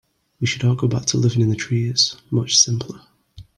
We should all go back to living in the trees, much simpler.